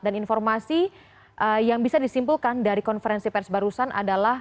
dan informasi yang bisa disimpulkan dari konferensi pers barusan adalah